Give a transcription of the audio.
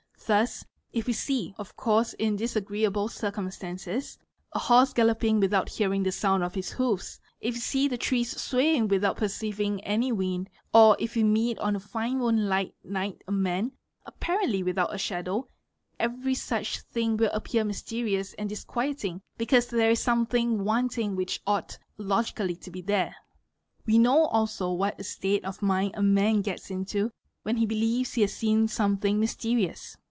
Thus if we see, of course in disagreeable circumstances, a horse galloping without hearing the sound of his hoofs; if we see the trees swaying without perceiving any wind; or if we meet on a fine ~ moonlight night a man, apparently without a shadow, every such thing FE will appear mysterious and disquieting because there is something want a ing which ought logically to be there. We know also what a state of Monind a man gets into when he believes he has seen something mysterious.